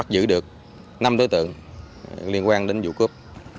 giữ được năm đối tượng liên quan đến vụ cướp